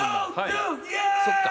「そっか。